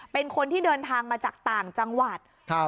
เป็นคนที่เดินทางมาจากต่างจังหวัด